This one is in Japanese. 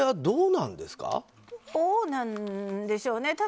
どうなんでしょうね。